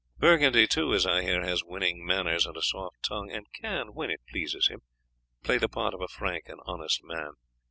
Burgundy, too, as I hear, has winning manners and a soft tongue, and can, when it pleases him, play the part of a frank and honest man.